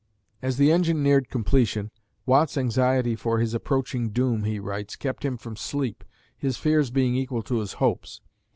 As the engine neared completion, Watt's anxiety "for his approaching doom," he writes, kept him from sleep, his fears being equal to his hopes.